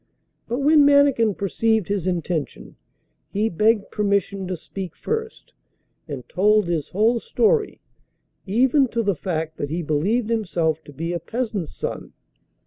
But when Mannikin perceived his intention, he begged permission to speak first, and told his whole story, even to the fact that he believed himself to be a peasant's son.